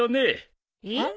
えっ！？